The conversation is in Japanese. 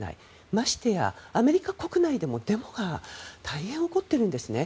ましてやアメリカ国内でもデモが大変起こってるんですね。